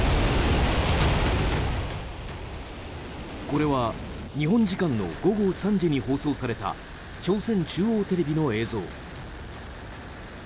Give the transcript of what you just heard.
これは日本時間の午後３時に放送された朝鮮中央テレビの映像。